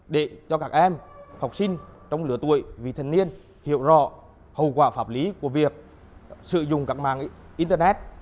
để cho các em học sinh trong lứa tuổi vị thần niên niên hiểu rõ hậu quả pháp lý của việc sử dụng các mạng internet